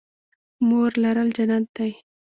مور لرل جنت دی